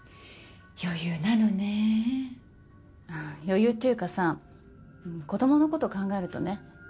余裕っていうかさ子供のこと考えるとね。